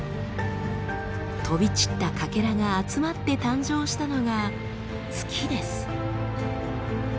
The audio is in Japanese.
飛び散ったかけらが集まって誕生したのが月です。